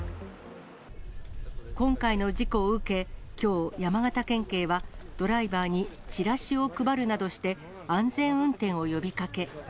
今回の事故を受け、きょう、山形県警は、ドライバーにチラシを配るなどして、安全運転を呼びかけ。